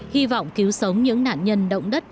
hy vọng cứu sống những nạn nhân động đất